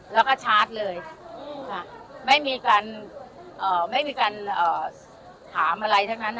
แล้วก็ชาร์จเลยไม่มีการถามอะไรทั้งนั้น